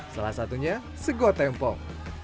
salah satunya segotempong